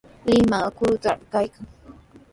Limaqa karutrawmi kaykan.